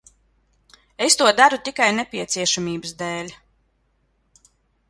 Es to daru tikai nepieciešamības dēļ.